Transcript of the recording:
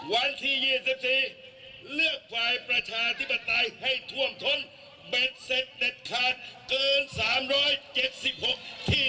วันที่๒๔เลือกฝ่ายประชาธิปไตยให้ท่วมทน